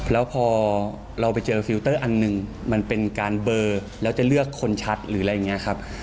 แล้วพอเราไปเจอฟิลเตอร์อันหนึ่งมันเป็นการเบอร์แล้วจะเลือกคนชัดหรืออะไรอย่างนี้ครับ